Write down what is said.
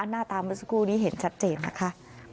หน้าตาเมื่อสักครู่นี้เห็นชัดเจนนะคะ